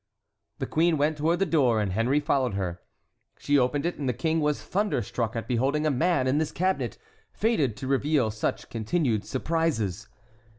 The queen went toward the door, and Henry followed her. She opened it, and the king was thunderstruck at beholding a man in this cabinet, fated to reveal such continued surprises.